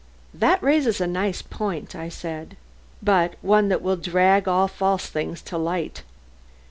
"That raises a nice point," I said. "But one that will drag all false things to light."